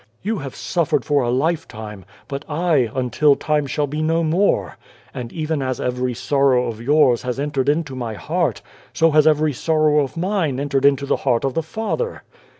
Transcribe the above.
"You have suffered for a lifetime, but I, until time shall be no more ; and even as every sorrow of yours has entered into My 58 God and the Ant heart, so has every sorrow of Mine entered into the heart of the Father.